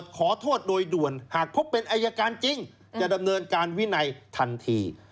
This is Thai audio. การจริงจะดำเนินการวินัยทันที